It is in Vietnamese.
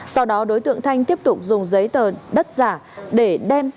sau đó đối tượng thanh tiếp tục dùng giấy tờ đất giả để đem